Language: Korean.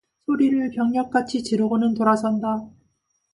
소리를 벽력같이 지르고는 돌아선다.